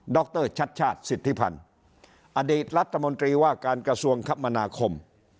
รชัดชาติสิทธิพันธ์อดีตรัฐมนตรีว่าการกระทรวงคมนาคม